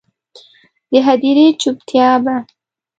د هدیرې چوپتیا به،